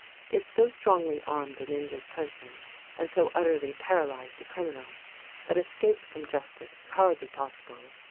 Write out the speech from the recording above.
It so strongly armed an injured person, and so utterly paralyzed a criminal, that escape from justice was hardly possible.